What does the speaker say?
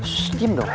shhh diam dong